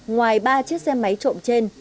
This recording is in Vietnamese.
ngoài ba chiếc xe máy trộm trên